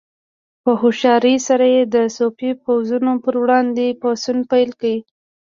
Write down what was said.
په هوښیارۍ سره یې د صفوي پوځونو پر وړاندې پاڅون پیل کړ.